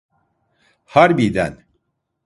Harbiden.